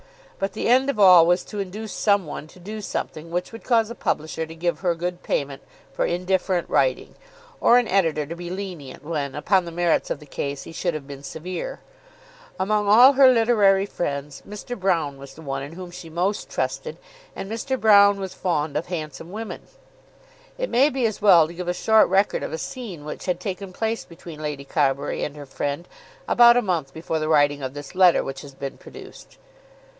But the end of all was to induce some one to do something which would cause a publisher to give her good payment for indifferent writing, or an editor to be lenient when, upon the merits of the case, he should have been severe. Among all her literary friends, Mr. Broune was the one in whom she most trusted; and Mr. Broune was fond of handsome women. It may be as well to give a short record of a scene which had taken place between Lady Carbury and her friend about a month before the writing of this letter which has been produced.